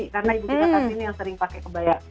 karena ibu karsini yang sering pakai kebaya